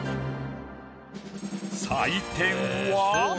採点は。